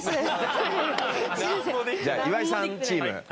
じゃあ岩井さんチーム。